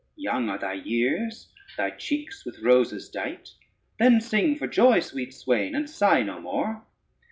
Young are thy years, thy cheeks with roses dight: Then sing for joy, sweet swain, and sigh no more.